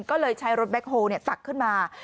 ก็เลยใช้รถแบ็คโฮล์เนี่ยสักขึ้นมา